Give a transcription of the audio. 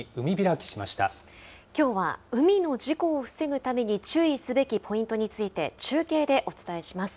きょうは海の事故を防ぐために注意すべきポイントについて、中継でお伝えします。